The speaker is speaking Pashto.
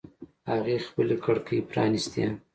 هغې خپلې کړکۍ پرانیستې